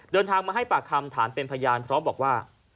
เดินทางมาให้ปากคำฐานเป็นพยานพร้อมบอกว่า